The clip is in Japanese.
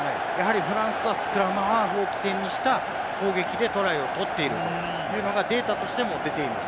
フランスはスクラムハーフを起点にした攻撃でトライを取っているというのがデータとしても出ています。